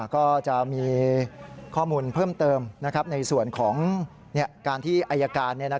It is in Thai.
ก็จะมีข้อมูลเพิ่มเติมในส่วนของการที่อายการ